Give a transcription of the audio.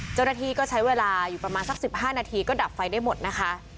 เจ้าหน้าที่ก็ใช้เวลาอยู่ประมาณสัก๑๕นาทีก็ดับไฟได้หมดนะคะ